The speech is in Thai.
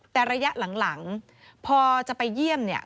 แต่ระยะหลังพอจะไปเยี่ยมเนี่ย